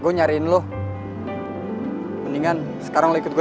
gue cuma lagi suntuk aja